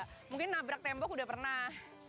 tapi nabrak tembok udah pernah